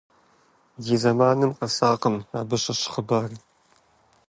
Ди зэманым къэсакъым абы щыщ хъыбар.